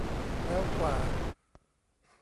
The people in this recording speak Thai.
แล้วกว่า